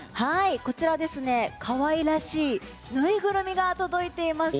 こちらかわいらしい縫いぐるみが届いています。